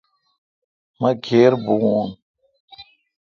مہ کھیربؤون۔